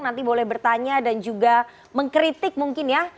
nanti boleh bertanya dan juga mengkritik mungkin ya